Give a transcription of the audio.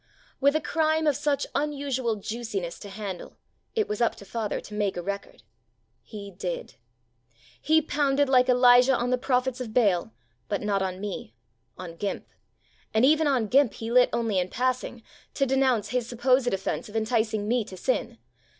With a crime of such unusual juiciness to handle, it was up to father to make a record. He did. He pounded like Elijah on the Prophets of Baal, but not on me вҖ" on "Gimp" ; and even on "Gimp" he lit only in passing, to denounce his supposed offence of enticing me to sin.